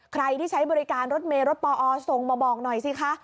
ใครที่ใช้บริการรถเมย์รถปอส่งมาบอกหน่อยสิคะ